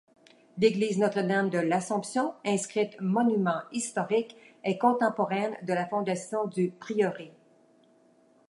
L’église Notre-Dame-de-l’Assomption, inscrite monument historique, est contemporaine de la fondation du prieuré.